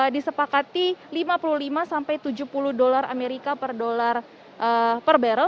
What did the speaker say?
disepakati rp lima puluh lima sampai rp tujuh puluh per barrel